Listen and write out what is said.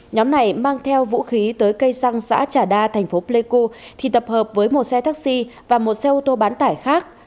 nhóm này mang theo vũ khí tới cây xăng xã trà đa thành phố pleiku thì tập hợp với một xe taxi và một xe ô tô bán tải khác